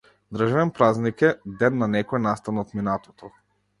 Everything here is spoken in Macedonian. Државен празник е, ден на некој настан од минатото.